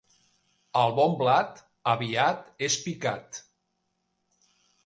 El bon blat aviat és picat.